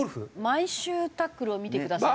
毎週『タックル』を見てくださってる。